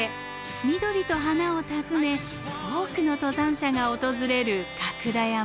緑と花を訪ね多くの登山者が訪れる角田山。